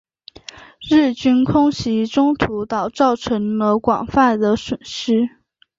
日军空袭中途岛造成了广泛的损失。